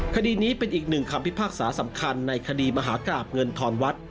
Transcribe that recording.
คดีนี้เป็นอีกหนึ่งคำพิพากษาสำคัญในคดีมหากราบเงินทอนวัด